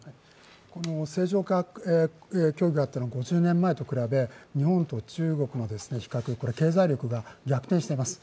正常化協議があった５０年前と比べ、日本の中国の比較、経済力が逆転しています。